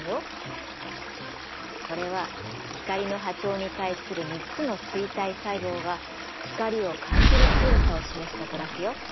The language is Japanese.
これは光の波長に対する３つの錐体細胞が光を感じる強さを示したグラフよ。